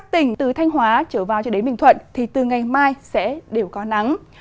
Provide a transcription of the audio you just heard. tỉnh từ thanh hóa trở vào cho đến bình thuận thì từ ngày mai sẽ đều có nắng